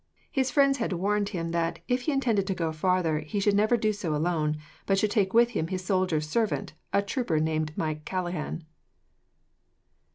His friends had warned him that, if he intended to go farther, he should never do so alone, but should take with him his soldier servant, a trooper named Mike Callaghan.